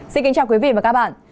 xin kính chào quý vị và các bạn